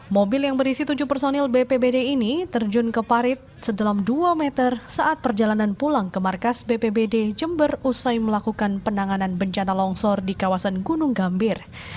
mobil yang berisi tujuh personil bpbd ini terjun ke parit sedalam dua meter saat perjalanan pulang ke markas bpbd jember usai melakukan penanganan bencana longsor di kawasan gunung gambir